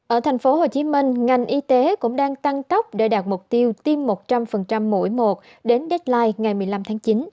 ở thành phố hồ chí minh ngành y tế cũng đang tăng tốc để đạt mục tiêu tiêm một trăm linh mỗi một đến deadline ngày một mươi năm tháng chín